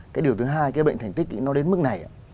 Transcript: cái điều thứ hai cái bệnh thành tích nó đến mức này ạ